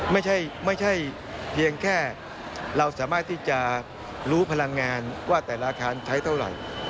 ไม่ใช่เพียงแค่เราสามารถที่จะรู้พลังงานว่าแต่ละอาคารใช้เท่าไหร่